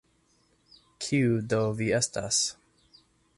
Kiu do vi estas?